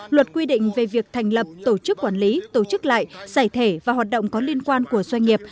luật quy định về việc thành lập tổ chức quản lý tổ chức lại giải thể và hoạt động có liên quan của doanh nghiệp